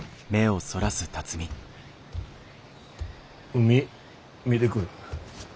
海見でくる。